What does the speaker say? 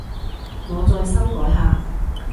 我再修改下